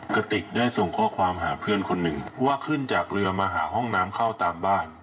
กระติกได้ส่งข้อความหาเพื่อนคนหนึ่งว่าขึ้นจากเรือมาหาห้องน้ำเข้าตามบ้าน